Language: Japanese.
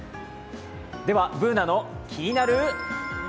では、「ＢｏｏｎａのキニナルＬＩＦＥ」。